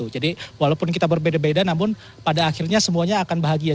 jadi walaupun kita berbeda beda namun pada akhirnya semuanya akan bahagia